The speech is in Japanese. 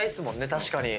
確かに。